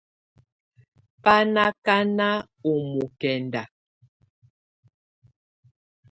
Bá nɔ ákana ɔ mɔkɛnda.